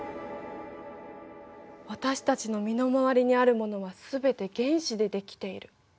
私たちの身の回りにあるものはすべて原子で出来ている。